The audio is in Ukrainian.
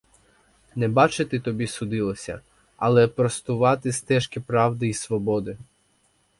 Не бачити тобі судилося, але простувати стежки правди і свободи.